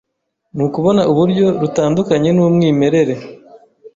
nukubona uburyo rutandukanye numwimerere